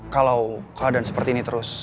kalau keadaan seperti ini terus